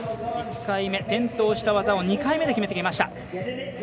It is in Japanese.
１回目、転倒した技を２回目で決めてきました。